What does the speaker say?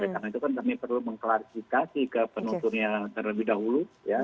karena itu kan kami perlu mengklarifikasi ke penonton yang terlebih dahulu